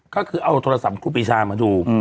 ก็คือเอาโทรศัพท์ครูปีชามาดู